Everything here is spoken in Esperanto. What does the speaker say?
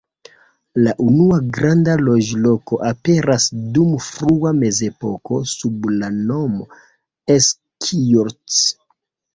La unua granda loĝloko aperas dum frua mezepoko sub la nomo "Eski-Jurt".